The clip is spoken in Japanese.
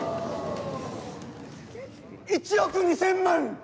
１億２，０００万。